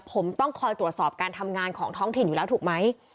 ผมต้องคอยตรวจสอบการทำงานของท้องถิ่นอยู่แล้วถูกไหม